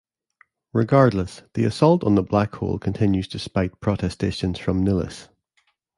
Regardless, the assault on the black hole continues despite protestations from Nilis.